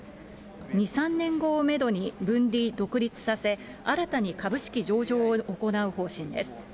２、３年後をメドに分離・独立させ、新たに株式上場を行う方針です。